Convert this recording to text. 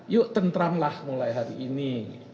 yuk tentramlah mulai hari ini